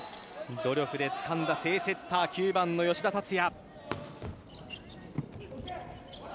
努力でつかんだ正セッター９番の吉田竜也。